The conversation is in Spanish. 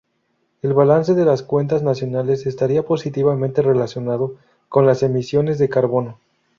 El balance de las cuentas nacionales estaría positivamente relacionado con las emisiones de carbono.